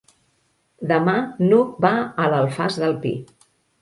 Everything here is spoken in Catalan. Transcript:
Demà n'Hug va a l'Alfàs del Pi.